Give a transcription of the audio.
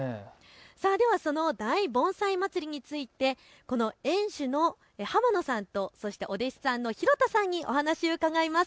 ではその大盆栽まつりについてこの園主の浜野さんとお弟子さんの廣田さんにお話を伺います。